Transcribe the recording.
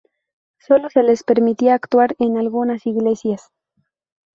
Sólo se les permitía actuar en algunas iglesias.